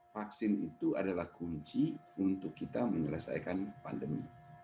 vaksin itu adalah kunci untuk kita menyelesaikan pandemi